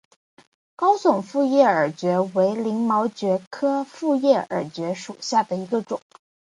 高耸复叶耳蕨为鳞毛蕨科复叶耳蕨属下的一个种。